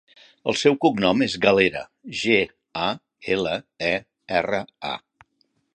El seu cognom és Galera: ge, a, ela, e, erra, a.